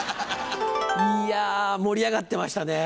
いや盛り上がってましたね。